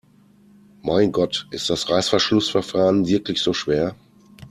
Mein Gott, ist das Reißverschlussverfahren wirklich so schwer?